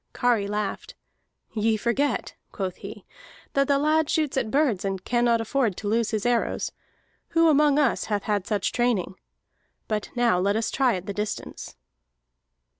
Kari laughed. "Ye forget," quoth he, "that the lad shoots at birds and cannot afford to lose his arrows. Who among us hath had such training? But now let us try at the distance."